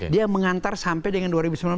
dia mengantar sampai dengan dua ribu sembilan belas